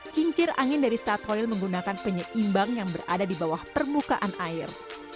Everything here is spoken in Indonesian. kincir angin dari stakoil menggunakan penyeimbang yang berada di bawah permukaan air